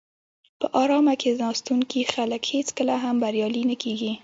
په آرامه کیناستونکي خلک هېڅکله هم بریالي نه کېږي.